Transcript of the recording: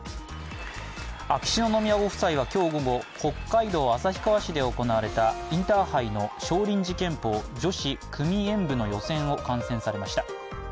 秋篠宮ご夫妻は今日午後、北海道旭川市で行われたインターハイの少林寺拳法女子組演武の予選を観戦されました。